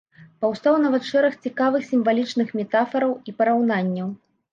Паўстаў нават шэраг цікавых сімвалічных метафараў і параўнанняў.